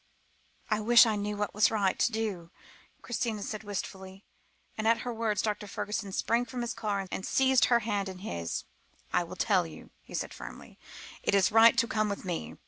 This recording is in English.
"I wish I knew what was right to do," Christina said wistfully; and at her words, Dr. Fergusson sprang from his car and seized her hands in his. "I will tell you," he said firmly; "it is right to come with me.